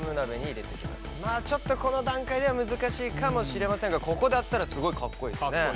ちょっとこの段階では難しいかもしれませんがここで当てたらすごいカッコいいですね。